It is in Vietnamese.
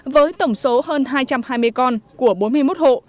với tổng số hơn hai trăm hai mươi con của bốn mươi một hộ